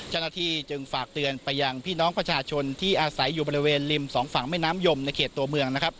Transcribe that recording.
เจ้าหน้าที่จึงฝากเตือนไปยังพี่น้องประชาชนที่อาศัยอยู่บริเวณริมสองฝั่งแม่น้ำยมในเขตตัวเมืองนะครับ